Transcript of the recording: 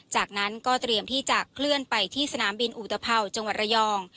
จากนั้นก็เตรียมที่จะเคลื่อนไปที่สนามบินอุตภัวจังหวัดระยอง